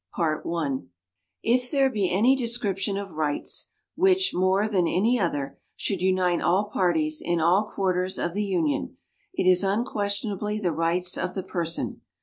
'" HENRY CLAY If there be any description of rights, which, more than any other, should unite all parties in all quarters of the Union, it is unquestionably the rights of the person.